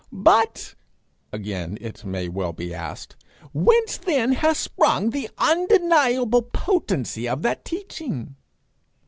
'But,' again it may well be asked, 'whence then has sprung the undeniable potency of that teaching?'